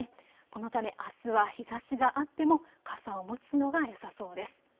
このため、あすは日ざしがあっても傘を持つのがよさそうです。